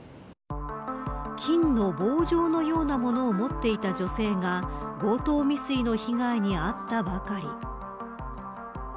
金の棒状のようなものを持っていた女性が強盗未遂の被害に遭ったばかり。